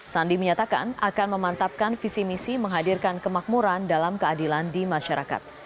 sandi menyatakan akan memantapkan visi misi menghadirkan kemakmuran dalam keadilan di masyarakat